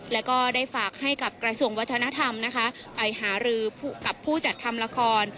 แล้วก็ได้ฝากให้กับกระทรวงวัฒนธรรมนะคะไปหารือกับผู้จัดทำละคร